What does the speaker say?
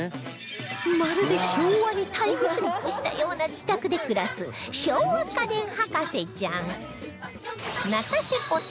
まるで昭和にタイムスリップしたような自宅で暮らす昭和家電博士ちゃん